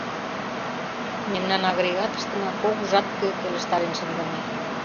— Мемнан агрегатыштына кок жатка келыштарен шындыме.